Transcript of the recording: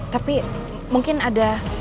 tapi mungkin ada